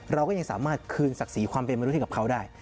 เราก็ยังสามารถคืนศักดิ์ศรีความเป็นมนุษย์ให้กับเขาได้